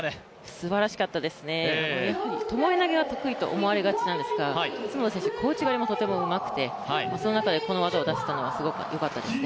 すばらしかったですね、ともえ投げが得意と思われがちなんですが、角田選手、小内刈りもとてもうまくて、その中でこの技を出したのはとてもよかったですね。